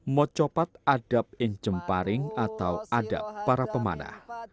mojopat adab incem paring atau adab para pemanah